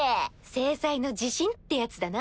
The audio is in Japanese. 正妻の自信ってやつだな。